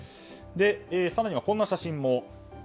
更にはこんな写真も。